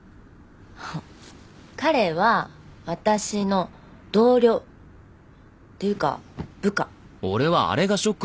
彼は私の同僚。っていうか部下。